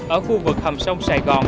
ở khu vực hầm sông sài gòn